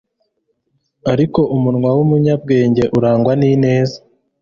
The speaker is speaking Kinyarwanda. ariko umunwa w'umunyabwenge urangwa n'ineza